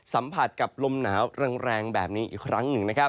สัมผัสกับลมหนาวแรงแบบนี้อีกครั้งหนึ่งนะครับ